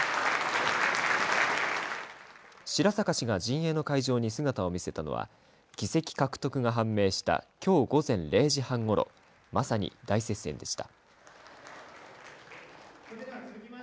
白坂氏が陣営の会場に姿を見せたのは議席獲得が判明したきょう午前０時半ごろまさに大接戦でした。